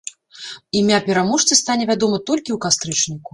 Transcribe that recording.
Імя пераможцы стане вядома толькі ў кастрычніку.